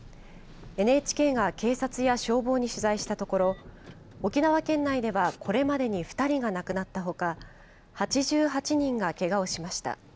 ＮＨＫが警察や消防に取材したところ、沖縄県内ではこれまでに２人が亡くなったほか、８８人がけがをしました。